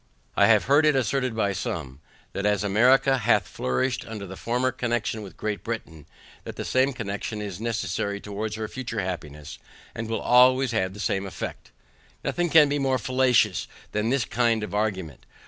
I have heard it asserted by some, that as America hath flourished under her former connexion with Great Britain, that the same connexion is necessary towards her future happiness, and will always have the same effect. Nothing can be more fallacious than this kind of argument.